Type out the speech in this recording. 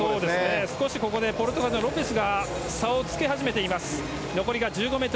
少しここでポルトガルのロペスが差をつけ始めています。